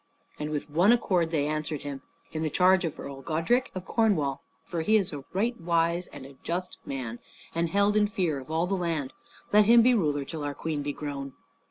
And with one accord they answered him, "In the charge of Earl Godrich of Cornwall, for he is a right wise and a just man, and held in fear of all the land. Let him be ruler till our queen be grown."